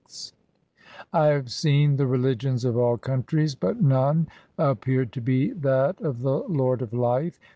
264 THE SIKH RELIGION I have seen the religions of all countries, but none appeared to be that of the Lord of life.